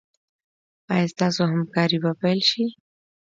ایا ستاسو همکاري به پیل شي؟